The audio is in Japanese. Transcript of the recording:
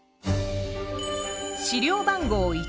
資料番号